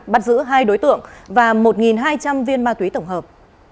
bắt giữ hai đối tượng và một hai trăm linh viên ma túy tổng hợp